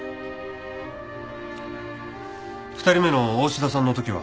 ２人目の大志田さんの時は？